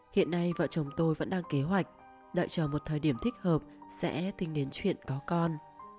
hiện nay vợ chồng tôi vẫn đang kế hoạch đợi chờ một thời điểm thích hợp sẽ tính đến chuyện có con